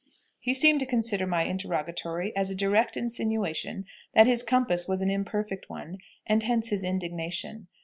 He seemed to consider my interrogatory as a direct insinuation that his compass was an imperfect one, and hence his indignation.